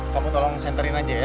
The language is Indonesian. kamu tolong centerin aja ya